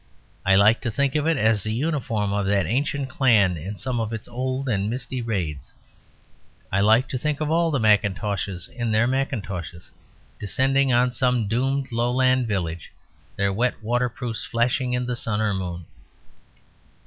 I like to think of it as the uniform of that ancient clan in some of its old and misty raids. I like to think of all the Macintoshes, in their mackintoshes, descending on some doomed Lowland village, their wet waterproofs flashing in the sun or moon.